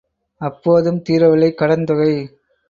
அப்போதும் தீரவில்லை கடன் தொகை.